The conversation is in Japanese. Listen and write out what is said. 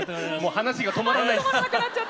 話が止まらないです。